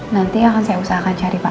nanti akan saya usahakan cari pak